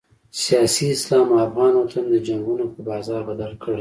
سیاسي اسلام افغان وطن د جنګونو په بازار بدل کړی.